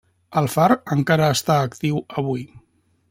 El far encara està actiu avui.